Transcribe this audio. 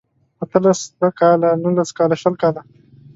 اته لس کاله نولس کاله شل کاله